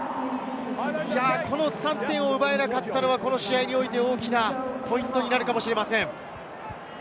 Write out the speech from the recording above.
この３点を奪えなかったのはこの試合において大きなポイントになるかもしれません。